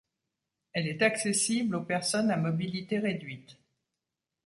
Elle est accessible aux personnes à la mobilité réduite.